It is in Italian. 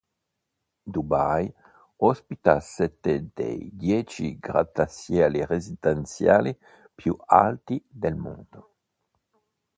Dubai ospita sette dei dieci grattacieli residenziali più alti del mondo.